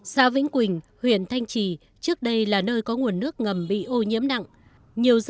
xa vĩnh quỳnh huyện thanh trì trước đây là nơi có nguồn nước ngầm bị ô nhiễm nặng